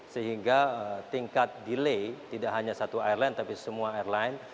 sehingga tingkat delay tidak hanya satu airline tapi semua airline